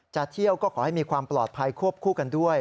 จะเที่ยวก็ขอให้มีความปลอดภัยควบคู่กันด้วย